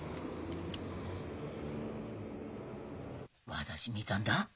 私見たんだ。